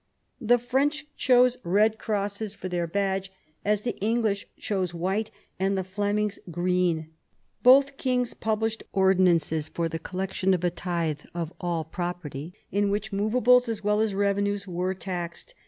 The French chose red crosses for their badge, as the English chose white and the Flemings green. Both kings published ordinances for the collection of a tithe of all property, in which movables as well as revenues were taxed.